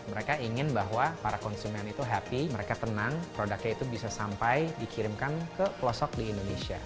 mereka ingin bahwa para konsumen itu happy mereka tenang produknya itu bisa sampai dikirimkan ke pelosok di indonesia